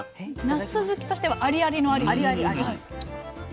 なす好きとしてはありありのありです。